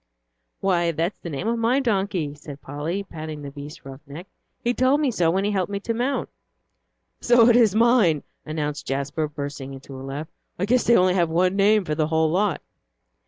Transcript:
"Why, that's the name of my donkey," said Polly, patting the beast's rough neck. "He told me so when he helped me to mount." "So it is mine," announced Jasper, bursting into a laugh. "I guess they only have one name for the whole lot."